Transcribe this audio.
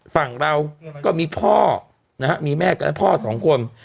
ฝั่งเราก็มีมีแม่กับพ่อสองคน